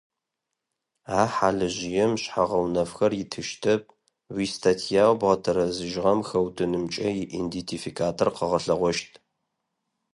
А хьалыжъыем шъхьэ-гъэунэфхэр итыщтэп, уистатьяу бгъэтэрэзыжьыгъэм хэутынымкӏэ иидентификатор къыгъэлъэгъощт.